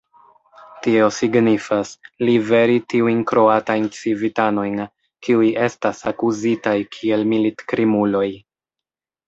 Tio signifas: liveri tiujn kroatajn civitanojn, kiuj estas akuzitaj kiel militkrimuloj.